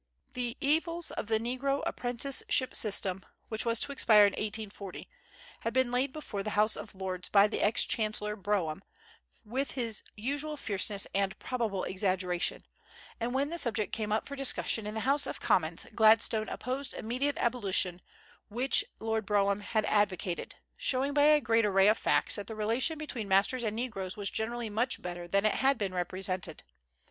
The evils of the negro apprenticeship system, which was to expire in 1840, had been laid before the House of Lords by the ex chancellor, Brougham, with his usual fierceness and probable exaggeration; and when the subject came up for discussion in the House of Commons Gladstone opposed immediate abolition, which Lord Brougham had advocated, showing by a great array of facts that the relation between masters and negroes was generally much better than it had been represented.